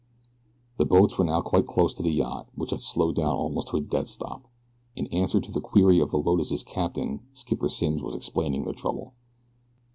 The boats were now quite close to the yacht, which had slowed down almost to a dead stop. In answer to the query of the Lotus' captain Skipper Simms was explaining their trouble.